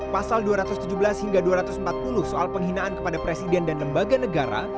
pasal dua ratus tujuh belas hingga dua ratus empat puluh soal penghinaan kepada presiden dan lembaga negara